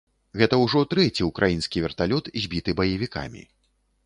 Гэта ўжо трэці ўкраінскі верталёт, збіты баевікамі.